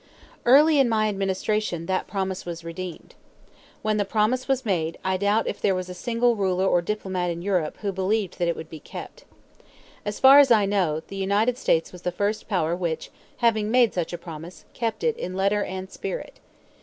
Early in my administration that promise was redeemed. When the promise was made, I doubt if there was a single ruler or diplomat in Europe who believed that it would be kept. As far as I know, the United States was the first power which, having made such a promise, kept it in letter and spirit.